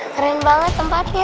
keren banget tempatnya